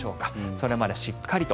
それまでしっかりと。